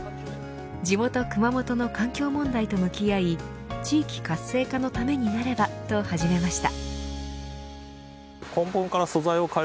地元、熊本の環境問題と向き合い地域活性化のためになればと始めました。